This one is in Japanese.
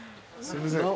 すいません。